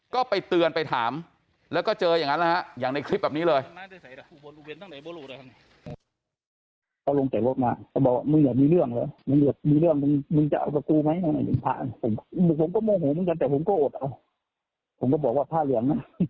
ก็ไปเตือนไปถามแล้วก็เจออย่างนั้นนะฮะอย่างในคลิปแบบนี้เลย